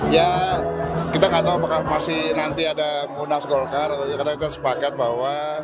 ya kita nggak tahu apakah masih nanti ada mudah golkar lebih tersebut bahwa